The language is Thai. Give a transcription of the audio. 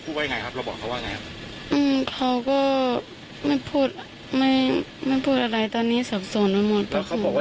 อืมเค้าก็ไม่พูดไม่ไม่พูดอะไรตอนนี้สับสนไปหมดครับ